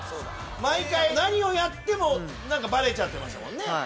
毎回何をやってもバレちゃってましたもんね。